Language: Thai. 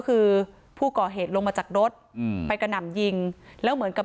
คือผู้ก่อเหตุลงมาจากรถอืมไปกระหน่ำยิงแล้วเหมือนกับ